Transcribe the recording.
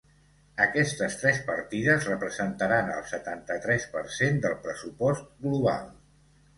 Aquestes tres partides representaran el setanta-tres per cent del pressupost global.